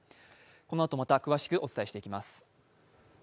このあとまた詳しくお伝えしていきます。